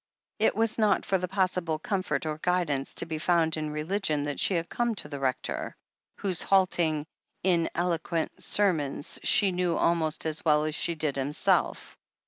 It was not for the possible comfort or guidance to be found in religion that she had come to the Rector, THE HEEL OF ACHILLES 469 whose halting, ineloquent sermons she knew almost as well as he did himself.